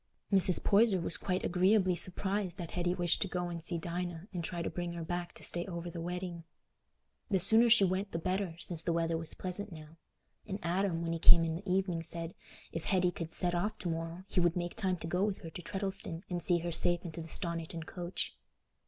Mrs. Poyser was quite agreeably surprised that Hetty wished to go and see Dinah and try to bring her back to stay over the wedding. The sooner she went the better, since the weather was pleasant now; and Adam, when he came in the evening, said, if Hetty could set off to morrow, he would make time to go with her to Treddleston and see her safe into the Stoniton coach.